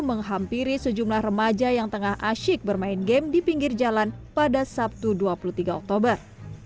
menghampiri sejumlah remaja yang tengah asyik bermain game di pinggir jalan pada sabtu dua puluh tiga oktober